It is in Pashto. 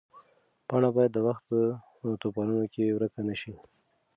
پاڼه باید د وخت په توپانونو کې ورکه نه شي.